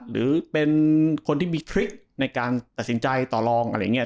หรือเป็นคนที่มีทริคในการตัดสินใจต่อลองอะไรอย่างนี้